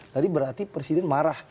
tadi berarti presiden marah